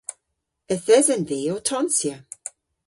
Yth esen vy ow tonsya.